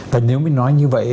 và nếu mình nói như vậy